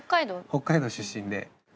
北海道出身で。